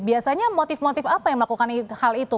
biasanya motif motif apa yang melakukan hal itu